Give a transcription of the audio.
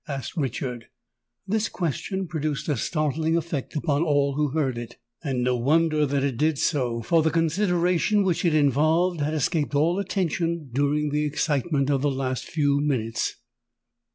asked Richard. This question produced a startling effect upon all who heard it: and no wonder that it did so—for the consideration which it involved had escaped all attention during the excitement of the last few minutes.